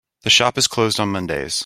The shop is closed on Mondays.